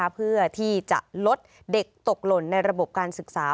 เพื่อที่จะลดเด็กตกหล่นในระบบการศึกษา